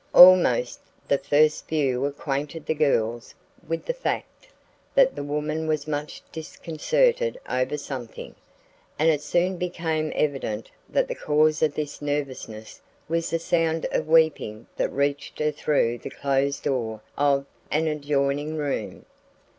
Almost the first view acquainted the girls with the fact that the woman was much disconcerted over something, and it soon became evident that the cause of this nervousness was the sound of weeping that reached her through the closed door of an adjoining room.